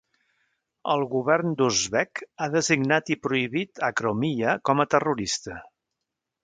El govern d'Uzbek ha designat i prohibit Akromiya com a terrorista.